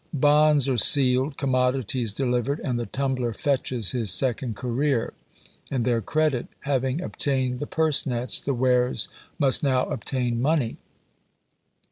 "Bonds are sealed, commodities delivered, and the tumbler fetches his second career; and their credit having obtained the purse nets, the wares must now obtain money."